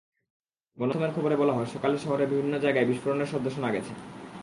গণমাধ্যমের খবরে বলা হয়, সকালে শহরের বিভিন্ন জায়গায় বিস্ফোরণের শব্দ শোনা গেছে।